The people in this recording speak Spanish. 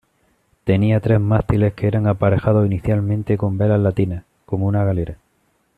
Tenía tres mástiles que eran aparejados inicialmente con velas latinas, como una galera.